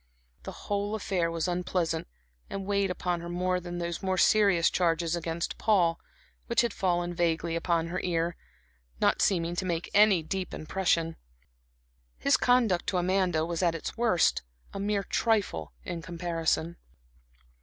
The whole affair was unpleasant, and weighed upon her more than those more serious charges against Paul, which had fallen vaguely upon her ear, not seeming to make any deep impression. His conduct to Amanda was at its worst a mere trifle in comparison.